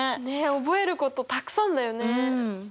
ねっ覚えることたくさんだよね。